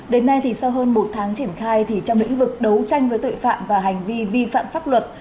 đến nay thì sau hơn một tháng triển khai thì trong lĩnh vực đấu tranh với tội phạm và hành vi vi phạm pháp luật